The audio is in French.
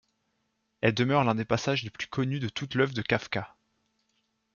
Elle demeure l'un des passages les plus connus de toute l'œuvre de Kafka.